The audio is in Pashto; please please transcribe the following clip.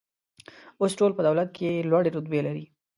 اوس ټول په دولت کې لوړې رتبې لري.